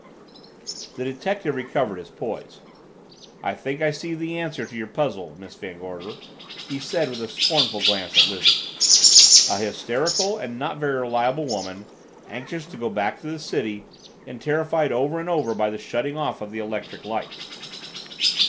The detective recovered his poise. "I think I see the answer to your puzzle, Miss Van Gorder," he said, with a scornful glance at Lizzie. "A hysterical and not very reliable woman, anxious to go back to the city and terrified over and over by the shutting off of the electric lights."